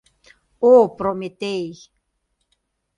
О, Прометей!